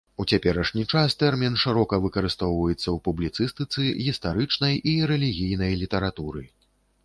У цяперашні час тэрмін шырока выкарыстоўваецца ў публіцыстыцы, гістарычнай і рэлігійнай літаратуры.